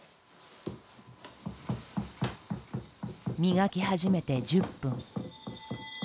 磨き始めて１０分。